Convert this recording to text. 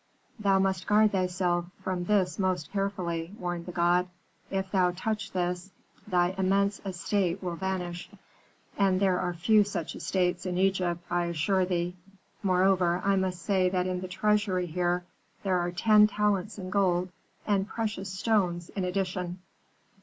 "'Thou must guard thyself from this most carefully,' warned the god. 'If thou touch this, thy immense estate will vanish. And there are few such estates in Egypt, I assure thee. Moreover, I must say that in the treasury here there are ten talents in gold and precious stones in addition.'